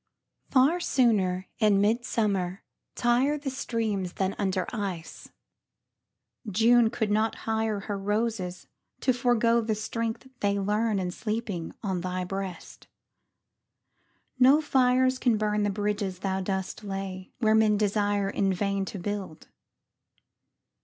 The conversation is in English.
Far sooner in midsummer tire The streams than under ice. June could not hire Her roses to forego the strength they learn In sleeping on thy breast. No fires can burn The bridges thou dost lay where men desire In vain to build.